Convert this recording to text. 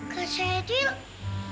kak sheryl dapet dari mana